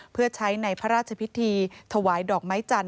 เพื่อใช้ในพระราชพิธีถวายดอกไม้จันท